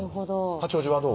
八王子はどう？